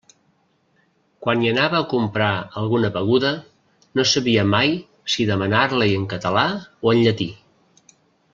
Quan hi anava a comprar alguna beguda, no sabia mai si demanar-la-hi en català o en llatí.